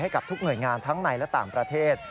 กับทุกหน่วยงานทั้งในและต่างประเทศ